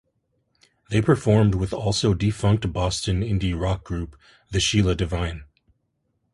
They performed with also defunct Boston indie rock group The Sheila Divine.